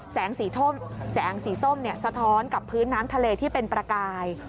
แสงสีส้มสะท้อนกับพื้นน้ำทะเลที่เป็นประกาย